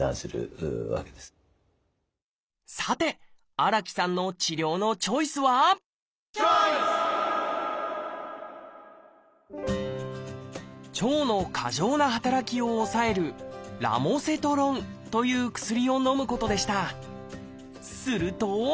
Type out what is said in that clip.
荒木さんの治療のチョイスは腸の過剰な働きを抑える「ラモセトロン」という薬をのむことでした。